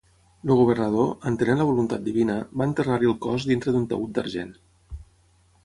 El governador, entenent la voluntat divina, va enterrar-hi el cos dintre d'un taüt d'argent.